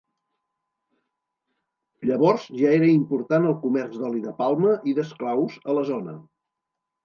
Llavors ja era important el comerç d'oli de palma i d'esclaus a la zona.